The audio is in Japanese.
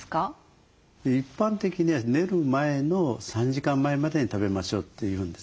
一般的には寝る前の３時間前までに食べましょうっていうんですね。